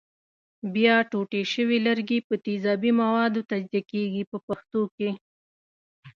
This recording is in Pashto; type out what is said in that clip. بیا ټوټې شوي لرګي په تیزابي موادو تجزیه کېږي په پښتو کې.